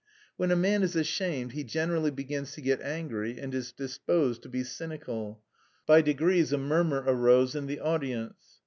When a man is ashamed he generally begins to get angry and is disposed to be cynical. By degrees a murmur arose in the audience.